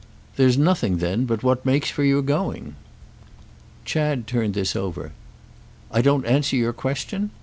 There's nothing then but what makes for your going." Chad turned this over. "I don't answer your question?"